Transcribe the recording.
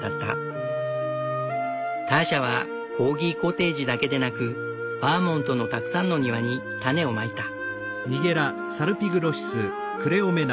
ターシャはコーギコテージだけでなくバーモントのたくさんの庭に種をまいた。